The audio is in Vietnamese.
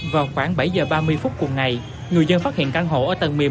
vào khoảng bảy h ba mươi phút cuối ngày người dân phát hiện căn hộ ở tầng một mươi một